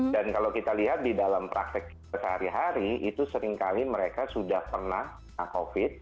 dan kalau kita lihat di dalam praktek kita sehari hari itu seringkali mereka sudah pernah covid